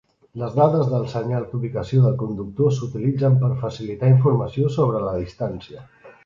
Les dades dels senyals d'ubicació del conductor s'utilitzen per facilitar informació sobre la distància.